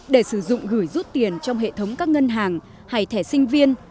để sử dụng gửi rút tiền trong hệ thống các ngân hàng hay thẻ sinh viên